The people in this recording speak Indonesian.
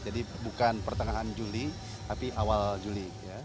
jadi bukan pertengahan juli tapi awal juli